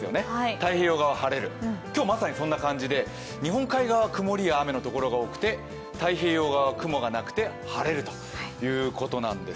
太平洋側は晴れる、今日はまさにそんな感じで日本海側や曇りや雨のところも多くて太平洋側は雲がなくて晴れるということなんです。